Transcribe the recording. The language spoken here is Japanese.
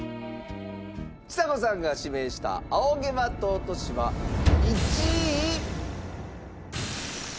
ちさ子さんが指名した『仰げば尊し』は１位。